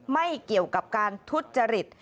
ไม่เกี่ยวกับการทุจริต